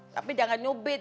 tapi jangan nyubit